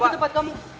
kamu ke tempat kamu